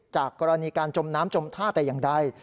จากกรณีการจมน้ำจมท่าแต่อย่างใด